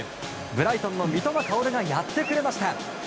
ブライトンの三笘薫がやってくれました！